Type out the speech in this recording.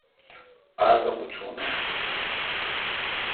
آگہ موچونہ؟